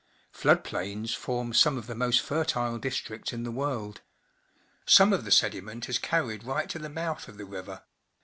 Flood plains form some of the most fertile districts in the world. Some of the sediment is carried right to the mouth of the river.